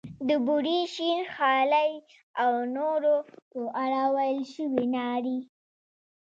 د بورې، شین خالۍ او نورو په اړه ویل شوې نارې.